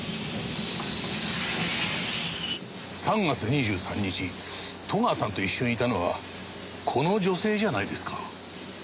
３月２３日戸川さんと一緒にいたのはこの女性じゃないですか？